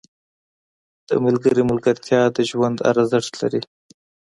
• د ملګري ملګرتیا د ژوند ارزښت لري.